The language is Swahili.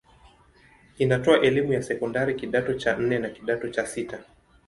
Inatoa elimu ya sekondari kidato cha nne na kidato cha sita.